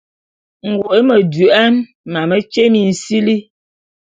Ngoe medouan, mametye minsili.